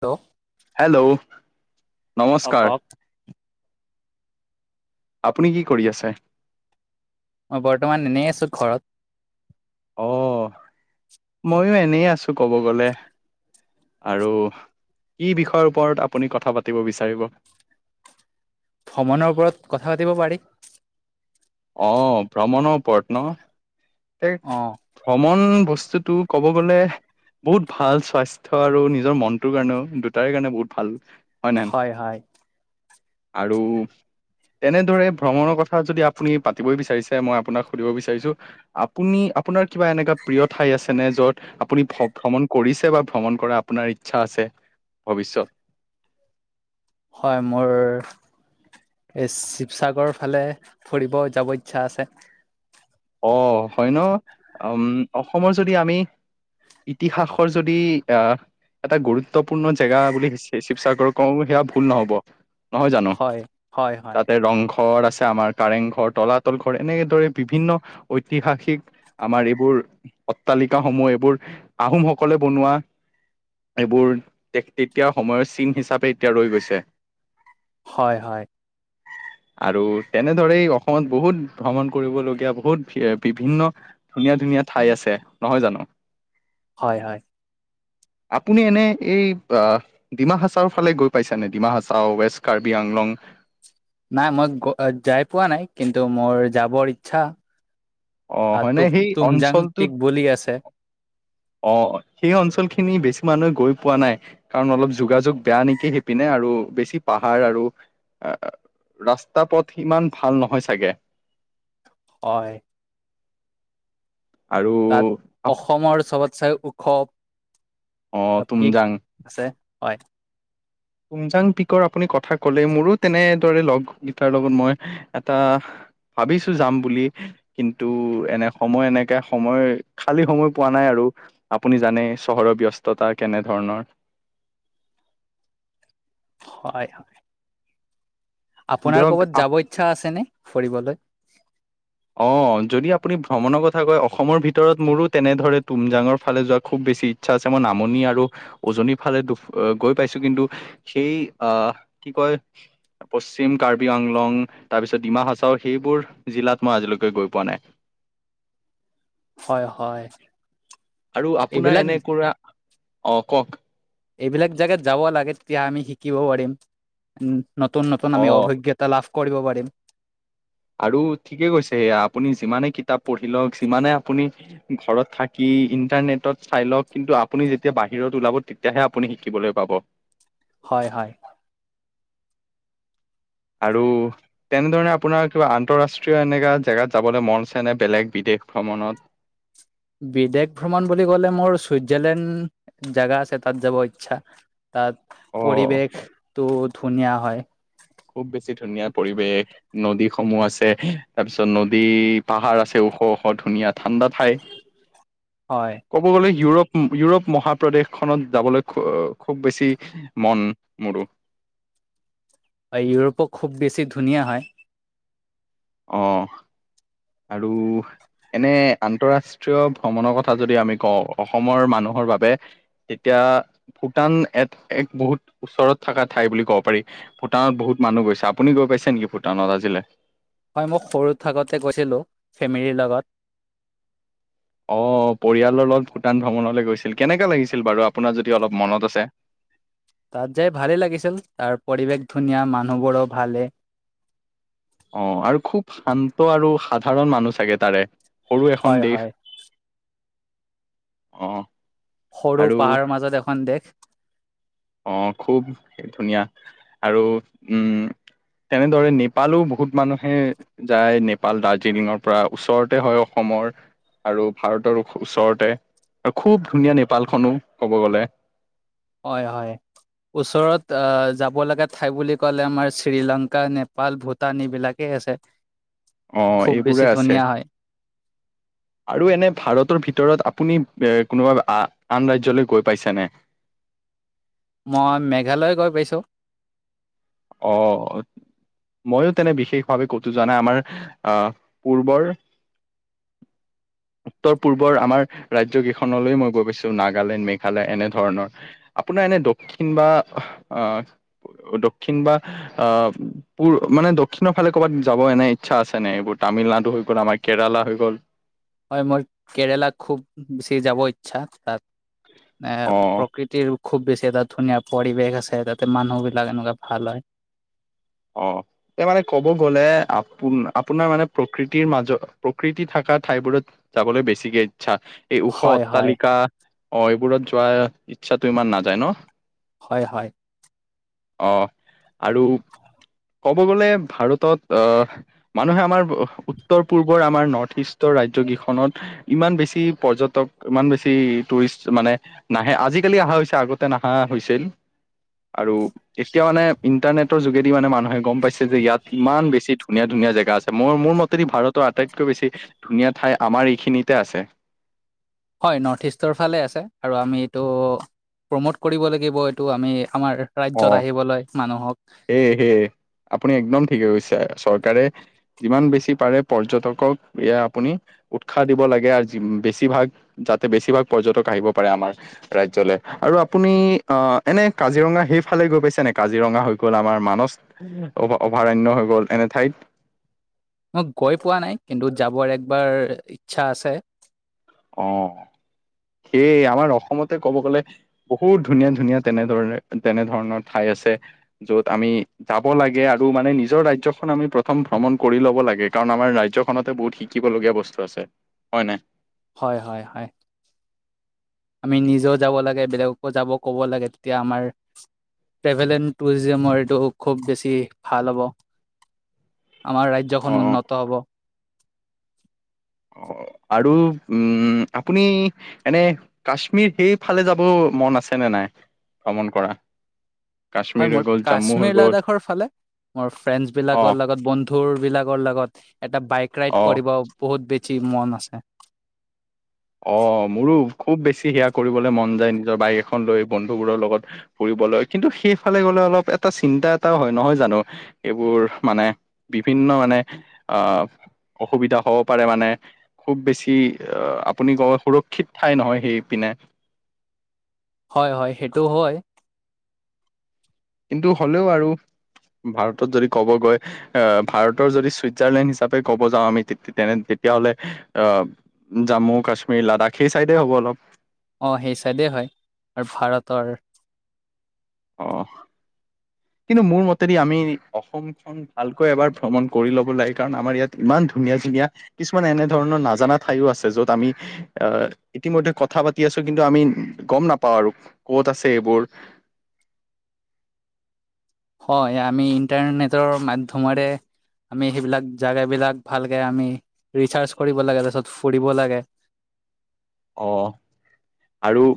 Hello hello অ নমস্কাৰ কওক আপুনি কি কৰি আছে মই বৰ্তমান এনেই আছো ঘৰত। অ মইয়ো এনেই আছো কব গ'লে আৰু কি বিষয়ৰ ওপৰত আপুনি কথা পাতিব বিচাৰিব ভ্ৰমণৰ ওপৰত কথা পাতিব পাৰি অ ভ্ৰমণৰ ওপৰত ন অ ভ্ৰমণ বস্তুটো কব গ'লে বহুত ভাল স্বাস্থ্য আৰু নিজৰ মনটোৰ কাৰণেও দুটাৰে কাৰণে বহুত ভাল হয় হয় হয় নহ আৰু তেনেদৰে ভ্ৰমণৰ কথা যদি আপুনি পাতিবই বিচাৰিছে মই আপোনাক সুধিব বিচাৰিছো আপুনি আপোনাৰ কিবা এনেকুৱা প্ৰিয় ঠাই আছেনে য'ত আপুনি ভ্ৰ ভ্ৰমণ কৰিছে বা ভ্ৰমণ কৰা আপোনাৰ ইচ্ছা আছে ভৱিষ্যত হয় মোৰ এ শিৱসাগৰৰ ফালে ফুৰিব যাব ইচ্ছা আছে অ হয় ন উম অসমৰ যদি আমি ইতিহাসৰ যদি আহ এটা গুৰুত্বপূৰ্ণ জেগা বুলি শিৱসাগৰ কওঁ সেয়া ভুল নহব নহয় জানো হয় হয় হয় তাতে ৰংঘ ঘৰ আছে আমাৰ কাৰেং ঘৰ, তলাতল ঘৰ এনেকেদৰে বিভিন্ন ঐতিহাসিক আমাৰ এইবোৰ অট্টালিকাস সমূহ এইবোৰ আহোমসকলে বনোৱা এইবোৰ তে তেতিয়া সময়ৰ চিন হিচাপে এতিয়া ৰৈ গৈছে। হয় হয় আৰু তেনেদৰেই অসমত বহুত ভ্ৰমণ কৰিবলগীয়া বহুত বিভিন্ন ধুনীয়া ধুনীয়া ঠাই আছে নহয় জানো। হয় হয় আপুনি এনে এই আহ ডিমা হাচাও ফালে গৈ পাইছে নে ডিমা হাচাও, ৱেষ্ট কাৰ্বি আংলং নাই মই যাই পোৱা নাই কিন্তু মোৰ যাবৰ ইচ্ছা অ আৰু হয়নে তু সেই তুমজাং অঞ্চলটোত পিক বুলি আছে। অ সেই অঞ্চল খিনি বেছি মানুহে গৈ পোৱা নাই। কাৰণ অলপ যোগাযোগ বেয়া নেকি সেইপিনে আৰু বেছি পাহাৰ আৰু ৰাস্তা পথ সিমান ভাল নহয় চাগে। হয়। তাত আৰু- আপ- অসমৰ চবতচাই ওখ অ পিক তুমজাং আছে, হয়। তুংজাং পিকৰ আপুনি কথা কলে। মোৰো তেনেদৰে লগ গিটাৰ লগত মই এটা- ভাবিছো যাম বুলি। কিন্তু এনে সময় এনেকে সময় খালী সময় পোৱা নাই আৰু। আপুনি জানে চহৰৰ ব্যস্ততা কেনে ধৰণৰ! হয়, হয়। আপোনাৰ দিয়ক ক'ৰবাত যাব আপ- ইচ্ছা আছেনে ফুৰিবলৈ? অঁ, যদি আপুনি ভ্ৰমণৰ কথা কয় অসমৰ ভিতৰত মোৰো তেনে ধৰে তুমজাঙৰ ফালে যোৱা খুব বেছি - ইচ্ছা আছে। মই নামনি আৰু উজনিৰ ফালে দু গৈ পাইছো কিন্তু- সেই আ কি কয়? পশ্চিম কাৰ্বি আংলং তাৰ পিছত ডিমা হাছাও সেইবোৰ জিলাত মই আজিলৈকে গৈ পোৱা নাই। হয়, হয়। আৰু আপোনাৰ এইবিলাক এনেকুৱা, অঁ কওঁক? এইবিলাক জাগাত যাব লাগে তেতিয়া আমি শিকিব পাৰিম। উম, নতুন নতুন অ আমি অভিজ্ঞতা লাভ কৰিব পাৰিম। আৰু ঠিকে কৈছে সেয়া আপুনি যিমানে কিতাপ পঢ়ি লওঁক, যিমানে আপুনি- ঘৰত থাকি ইন্টাৰনেটত চাই লওঁক কিন্তু আপুনি যেতিয়া বাহিৰত ওলাব তেতিয়াহে আপুনি শিকিবলৈ পাব। হয়, হয়। আৰু- তেনেধৰণে আপোনাৰ কিবা আন্তঃৰাষ্ট্ৰীয় এনেকুৱা জেগাত যাবলৈ মন আছে নে বেলেগ বিদেশ ভ্ৰমণত? বিদেশ ভ্ৰমণ বুলি ক'লে, মোৰ চুইজাৰলেণ্ড জেগা আছে তাত যাব ইচ্ছা। তাত অ পৰিৱেশটো ধুনীয়া হয়। খুব বেছি ধুনীয়া পৰিৱেশ। নদীসমূহ আছে, তাৰপিছত নদী পাহাৰ আছে ওখ ওখ ধুনীয়া ঠাণ্ডা ঠাই। হয়। ক'ব গ'লে ইউৰোপ -ইউৰোপ মহাপ্ৰদেশখনত যাবলৈ খ- খুব বেছি- মন মোৰো। ইউৰোপক খুব বেছি ধুনীয়া হয়। অঁ, আৰু- এনে আন্তঃৰাষ্ট্ৰীয় ভ্ৰমণৰ কথা যদি আমি কওঁ, অসমৰ মানুহৰ বাবে- তেতিয়া ভূটান এক -এক বহুত ওচৰত থকা ঠাই বুলি ক'ব পাৰি। ভূটানত বহুত মানুহ গৈছে। আপুনি গৈ পাইছে নেকি ভূটানত আজিলে? হয়, মই সৰু থাকতে গৈছিলোঁ ফেমিলিৰ লগত। অঁ, পৰিয়ালৰ লগত ভূটান ভ্ৰমণলৈ গৈছিল। কেনেকে লাগিছিল বাৰু আপোনাৰ যদি অলপ মনত আছে? তাত যাই ভালে লাগিছিল, তাৰ পৰিৱেশ ধুনীয়া, মানুহবোৰো ভালেই। অঁ আৰু খুব শান্ত আৰু সাধাৰণ মানুহ চাগে তাৰে, সৰু এখন হয় দেশ। হয় অঁ। সৰু পাহাৰ মাজত এখন দেশ। অঁ, খুব ধুনীয়া আৰু উম, - তেনেদৰে নেপালও বহুত মানুহে- যায়, নেপাল দাৰ্জিলিঙৰ পৰা ওচৰতে হয় অসমৰ। আৰু ভাৰতৰ ওচৰতে আৰু খুব ধুনীয়া নেপালখনো ক'ব গ'লে। হয়, হয়। ওচৰত যাব লগা ঠাই বুলি ক'লে আমাৰ শ্ৰীলংকা নেপাল ভূটান ভূটান এই বিলাকেই আছে অ খুব এইবোৰে বেছি আছে ধুনীয়া হয়। আৰু এনে ভাৰতৰ ভিতৰত আপুনি এ কোনোবা আ আন ৰাজ্যলৈ গৈ পাইছেনে মই মেঘালয় গৈ পাইছোঁ অ ময়ো তেনে বিশেষভাৱে কতো জোৱা নাই আমাৰ আহ পূৰ্বৰ [unintelligible] উত্তৰ পূৰ্বৰ আমাৰ ৰাজ্যকেইখনলৈ মই গৈ পাইছো নাগালেণ্ড মেঘালয় এনেধৰণৰ আপোনাৰ এনে দক্ষিণ বা আহ দক্ষিণ বা আহ পূ মানে দক্ষিণৰ ফালে ক'ৰবাত যাব এনে ইচ্ছা আছে নে এইবোৰ তামিলনাডু হৈ গ'ল আমাৰ কেৰেলা হৈ গ'ল হয় মোৰ কেৰেলাত খুব বেছি যাব ইচ্ছা তাত এ অ প্ৰকৃত খুব বেছি এটা ধুনীয়া পৰিৱেশ আছে তাতে মানুহ বিলাক এনেকুৱা ভাল হয় অ এ মানে ক'ব গ'লে আপোন আপোনাৰ মানে প্ৰকৃতিৰ মাজত প্ৰকৃতি থকা ঠাইবোৰত যাবলৈ বেছিকে ইচ্ছা এই ওখ হয় হয় অট্টালিকা অ এইবোৰত যোৱাৰ ইচ্ছাতটো ইমান নাযায় ন হয় হয় অ আৰু ক'ব গ'লে ভাৰতত আহ মানুহে আমাৰ উত্তৰ পূৰ্বৰ আমাৰ নৰ্থ ইষ্টৰ ৰাজ্য কেইখনত ইমান বেছি পৰ্যটক ইমান বেছি টুৰিষ্ট মানে নাহে আজিকালি অহা হৈছে আগতে নাহা হৈছিল আৰু এতিয়া মানে ইণ্টাৰনেটৰ যোগেদি মানে মানুহে গম পাইছে যে ইয়াত ইমান বেছি ধুনীয়া ধুনীয়া জেগা আছে মোৰ মোৰ মতেদি ভাৰতৰ আটাইতকৈ বেছি ধুনীয়া ঠাই আমাৰ এইখিনিতে আছে হয় নৰ্থ ইষ্টৰ ফালে আছে আৰু আমি এইটো প্ৰম'ট কৰিব লাগিব এইটো আমি আমাৰ ৰাজ্যয়ত আহিবলৈ মানুহক হে হে আপুনি একদম ঠিকে কৈছে চৰকাৰে যিমান বেছি পাৰে পৰ্যটকক এয়া আপুনি উৎসাহ দিব লাগে আৰু বেছিভাগ যাতে বেছিভাগ পৰ্যটক আহিব পাৰে আমাৰ ৰাজ্যলে আৰু আপুনি আহ এনে কাজিৰঙা সেই ফালে গৈ পাইছে নে কাজিৰঙা হৈ গ'ল আমাৰ মানস অভ অভয়াৰণয় হৈ গ'ল এনে ঠাইত মই গৈ পোৱা নাই কিন্তু যাবৰ একবাৰ ইচ্ছা আছে অ সেইয় আমাৰ অসমতে ক'ব গলে বহুত ধুনীয়া ধুনীয়া তেনেধৰণ তেনে ধৰণৰ ঠাই আছে যত আমি যাব লাগে আৰু মানে নিজৰ ৰাজ্যখন আমি প্ৰথম ভ্ৰমণ কৰি ল'ব লাগে, কাৰণ আমাৰ ৰাজ্যখনতে বহুত শিক্ষা। শিকিবলগীয়া বস্তু আছে হয় নাই? হয় হয় হয়। আমি নিজেও যাব লাগে, বেলেগকো যাব ক'ব লাগে তেতিয়া আমাৰ। ট্ৰেভেল এণ্ড টুৰিজমৰ এইটো খুব বেছি ভাল হ'ব। আমাৰ অ ৰাজ্যখন উন্নত হব। অ' আৰু উম আপুনি। এনে কাশ্মীৰ সেইফালে যাব মন আছেনে নাই ভ্ৰমণ ক'ৰা? কাশ্মীৰ হয় হৈ মোৰ গ'ল জম্মু হৈ কাশ্মীৰ গ'ল লাডাখৰ ফালে। মোৰ ফ্ৰেণ্ড অ বিলাকৰ লগত বন্ধু বিলাকৰ লগত এটা বাইক ৰাইড অ কৰিব। বহুত বেচি মন আছে। অ' মোৰো খুব বেছি সেয়া কৰিবলে মন যায় নিজৰ বাইক এখন লৈ বন্ধুবোৰৰ লগত ফুৰিবলৈ কিন্তু সেইফালে গ'লে অলপ এটা চিন্তা এটাও হয় নহয় জানো? এইবোৰ মানে বিভিন্ন মানে অ' অসুবিধা হ'ব পাৰে মানে খুব বেছি আপুনি কয় সুৰক্ষিত ঠাই নহয় সেই পিনে। হয়, হয় সেইটো হয়। কিন্তু হ'লেও আৰু ভাৰতত যদি ক'ব গৈ অ'ভাৰতৰ যদি চুইজাৰলেণ্ড হিচাপে ক'ব যাওঁ আমি তে-তেনে তেতিয়াহলে অ' জাম্মু, কাশ্মীৰ, লাডাখ সেই চাইডেই হ'ব অলপ? অ' সেই চাইডেই হয় [unintelligible] ভাৰতৰ। অ', কিন্তু মোৰ মতেদি আমি অসম চ ভালকৈ এবাৰ ভ্ৰমণ কৰি ল'ব লাগে, কাৰণ আমাৰ ইয়াত ইমান ধুনীয়া, ধুনীয়া কিছুমান এনে ধৰণৰ নাজানা ঠাইওঁ আছে য'ত আমি [unintelligible] ইতিমধ্যে কথা পাতি আছো কিন্তু আমি গম নাপাওঁ আৰু ক'ত আছে এইবোৰ। হয়, আমি ইণ্টাৰনেটৰ মাধ্যমেৰে আমি সেইবিলাক জাগা বিলাক ভালকে আমি ৰিচাৰ্চ কৰিব লাগে তাৰপিছত ফুৰিব লাগে। অ' আৰু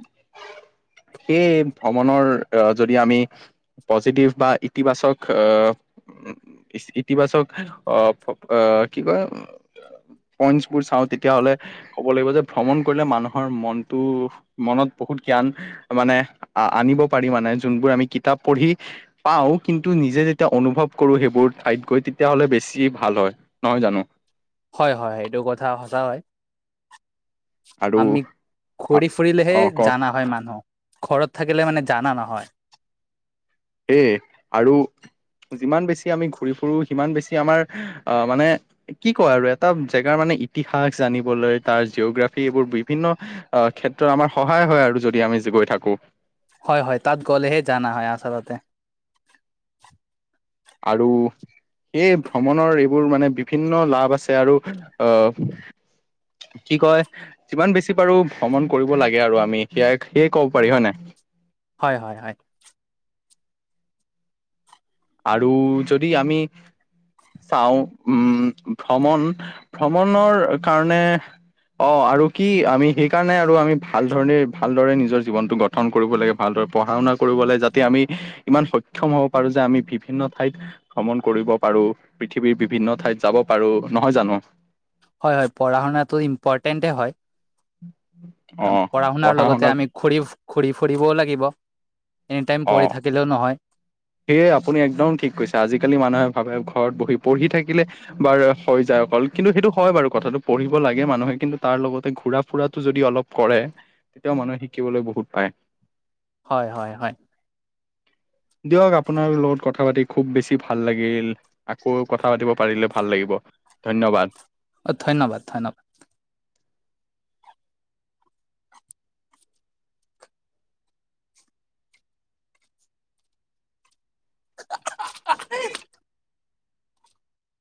সেই ভ্ৰমণৰ অ' যদি আমি পজিটিভ বা, ইতিবাচক অ' ইতিবাচক অ' অ' কি কয় পইন্টছবোৰ চাওঁ তেতিয়া হ'লে ক'ব লাগিব যে ভ্ৰমণ কৰিলে মানুহৰ মনটো মনত বহুত জ্ঞান অ'মানে আ-আনিব পাৰি মানে, যোনবোৰ আমি কিতাপ পঢ়ি পাওঁ কিন্তু নিজে যেতিয়া অনুভৱ কৰোঁ সেইবোৰ ঠাইত গৈ তেতিয়া হ'লে বেছি ভাল হয়। নহয় জানো? হয়, হয় সেইটো কথা সঁচা হয়। আৰু আমি ঘূৰি ফুৰিলেহে অ কওক জানা হয়, মানুহ। ঘৰত থাকিলে মানে জানা নহয়। এ, আৰু যিমান বেছি আমি ঘূৰি ফুৰোঁ, সিমান বেছি আমাৰ আহ, মানে এ কি ক'য় আৰু এটা জেগাৰ মানে ইতিহাস জানিবলৈ তাৰ জিঅগ্ৰাফি এইবোৰ বিভিন্ন অ' ক্ষেত্ৰ আমাৰ সহায় হয় আৰু যদি আমি যে গৈ থাকোঁ। হয়, হয় তাত গ'লেহে জানা হয় আচলতে। আৰু এই ভ্ৰমণৰ এইবোৰ মানে বিভিন্ন লাভ আছে আৰু অ' কি কয় যিমান বেছি পাৰোঁ ভ্ৰমণ কৰিব লাগে আৰু আমি সেয়া সেয়ে ক'ব পাৰি হয় নাই? হয়, হয়, হয়। আৰু যদি আমি চাওঁ উম, ভ্ৰমণ, ভ্ৰমণৰ কাৰণে অ' আৰু কি আমি সেইকাৰণে আৰু আমি ভাল ধৰণে ভালদৰে নিজৰ জীৱনটো গ গঠন কৰিব লাগে ভালদৰে পঢ়া-শুনা কৰিব লাগে যাতে আমি ইমান সক্ষম হ'ব পাৰো যে আমি বিভিন্ন ঠাইত ভ্ৰমণ কৰিব পাৰোঁ, পৃথিৱীৰ বিভিন্ন ঠাইত যাব পাৰোঁ, নহয় জানো? হয় হয়, পঢ়া শুনাটো ইম্পৰ্টেণ্টেই হয়। [unintelligible] অ পঢ়া-শুনাৰ পঢ়া শুনা লগতে আমি - ঘূৰি ঘূৰি-ফুৰিবও লাগিব, এনিটাইম অ পঢ়ি থাকিলেও নহয়। সেয়ে আপুনি একদম ঠিক কৈছা, আজিকালি মানুহে ভাবে ঘৰত বহি পঢ়ি থাকিলে - বাৰ হৈ যায় অকল, কিন্তু সেইটো হয় বাৰু কথাটো পঢ়িব লাগে মানুহে কিন্তু তাৰ লগতে ঘুৰা-ফুৰাটো যদি অলপ - কৰে, তেতিয়াও মানুহে শিকিবলৈ বহুত পাৰে। হয়, হয়, হয়। দিয়ক আপোনাৰ লগত কথা পাতি খুব বেছি ভাল লাগিল। আকৌ কথা পাতিব পাৰিলে ভাল লাগিব ধন্যবাদ। অ ধন্যবাদ ধন্যবাদ। [unintelligible]